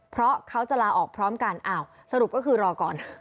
เพราะเขาจะลาออกพร้อมกันอ้าวสรุปก็คือรอก่อน